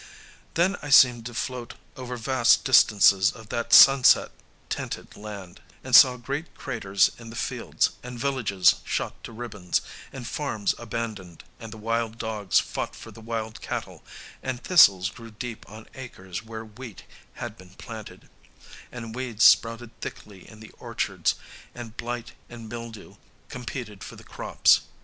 Then I seemed to float over vast distances of that sunset tinted land, and saw great craters in the fields, and villages shot to ribbons, and farms abandoned; and the wild dogs fought for the wild cattle; and thistles grew deep on acres where wheat had been planted, and weeds sprouted thickly in the orchards, and blight and mildew competed for the crops.